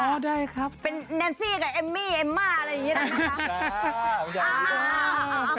โอ้ยได้ครับแมนซี่กับเอมมี่เอมม่าอะไรแบบนี้นะคะ